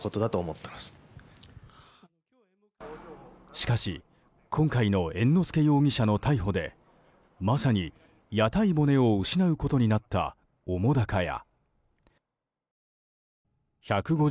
しかし今回の猿之助容疑者の逮捕でまさに屋台骨を失うことになった澤瀉屋。